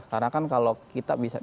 karena kan kalau kita biasa mengandalkan